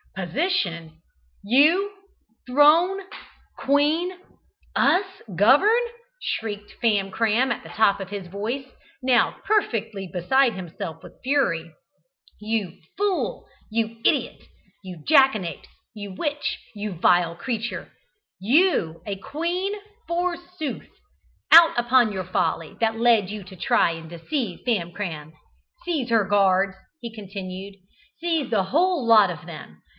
"Position! You! Throne! Queen! Us govern!" shrieked Famcram at the top of his voice, now perfectly beside himself with fury. "You fool! You idiot! You jackanapes! You witch! You vile creature! You a queen, forsooth! Out upon your folly, that led you to try and deceive Famcram. Seize her, guards!" he continued; "seize the whole lot of them!